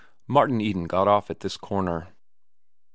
Martin Eden got off at this corner.